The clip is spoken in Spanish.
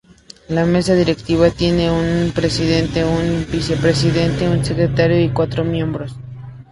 La mesa directiva tiene un presidente, un vicepresidente, un secretario, y cuatro miembros.